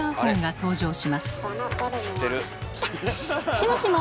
しもしも？